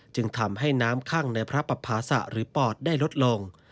จึงทำให้น้ำข้างในพระปภาษะหรือปอดได้ลดลง